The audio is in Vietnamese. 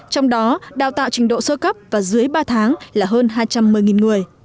trong đó đào tạo trình độ sơ cấp và dưới ba tháng là hơn hai trăm một mươi người